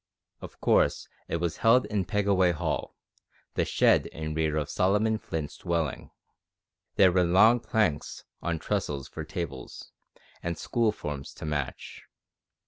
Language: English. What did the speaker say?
Of course it was held in Pegaway Hall, the shed in rear of Solomon Flint's dwelling. There were long planks on trestles for tables, and school forms to match.